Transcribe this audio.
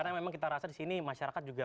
karena memang kita rasa di sini masyarakat juga